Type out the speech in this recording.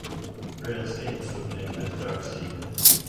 Grail escapes with an infant Darkseid.